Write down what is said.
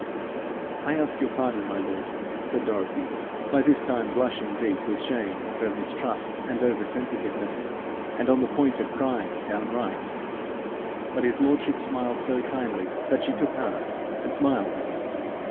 'I ask your pardon, my lord,' said Dorothy, by this time blushing deep with shame of her mistrust and over sensitiveness, and on the point of crying downright. But his lordship smiled so kindly that she took heart and smiled again.